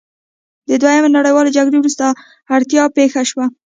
د دویمې نړیوالې جګړې وروسته اړتیا پیښه شوه.